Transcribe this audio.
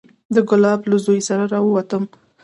د ګلاب له زوى سره راووتم.